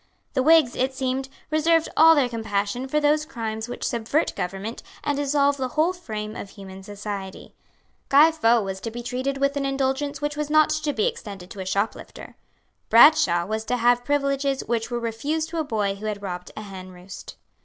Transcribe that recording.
The Whigs, it seemed, reserved all their compassion for those crimes which subvert government and dissolve the whole frame of human society. Guy Faux was to be treated with an indulgence which was not to be extended to a shoplifter. Bradshaw was to have privileges which were refused to a boy who had robbed a henroost.